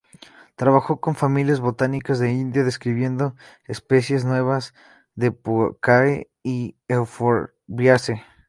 Trabajó con familias botánicas de India, describiendo especies nuevas de Poaceae y de Euphorbiaceae.